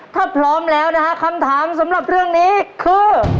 ถ้าพร้อมแล้วนะฮะคำถามสำหรับเรื่องนี้คือ